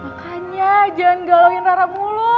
makanya jangan galuhin rara mulu